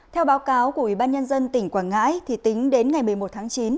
theo báo cáo của ubnd tỉnh quảng ngãi tính đến ngày một mươi một tháng chín